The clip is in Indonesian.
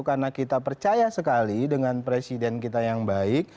karena kita percaya sekali dengan presiden kita yang baik